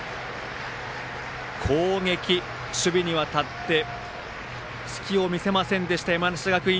攻撃、守備にわたって隙を見せませんでした、山梨学院。